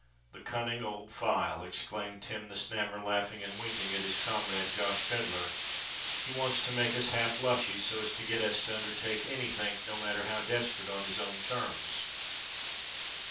"The cunning old file!" exclaimed Tim the Snammer, laughing and winking at his comrade, Josh Pedler; "he wants to make us half lushy so as to get us to undertake anythink, no matter how desperate, on his own terms."